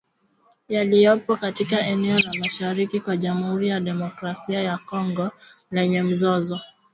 yaliyopo katika eneo la mashariki mwa Jamuhuri ya Demokrasia ya Kongo lenye mzozo